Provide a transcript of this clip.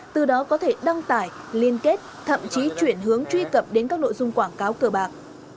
từ đó có thể đăng tải liên kết thậm chí chuyển hướng truy cập đến các nội dung quảng cáo cờ bạc